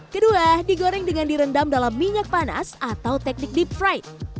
kedua digoreng dengan direndam dalam minyak panas atau teknik deep fright